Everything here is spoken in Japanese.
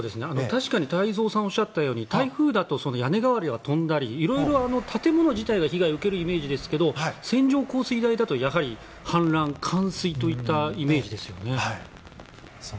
確かに太蔵さんがおっしゃったように、台風だと屋根瓦が飛んだりいろいろ建物自体が被害を受けるイメージですが線状降水帯だと氾濫、冠水といったイメージですよね。